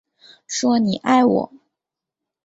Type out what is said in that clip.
说你爱我